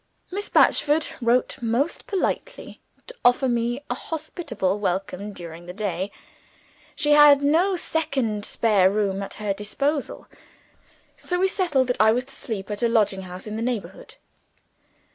Miss Batchford wrote, most politely, to offer me a hospitable welcome during the day. She had no second spare room at her disposal so we settled that I was to sleep at a lodging house in the neighborhood.